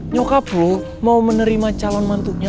nyokap lo mau menerima calon mantunya